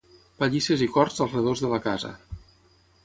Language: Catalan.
Pallisses i corts al redós de la casa.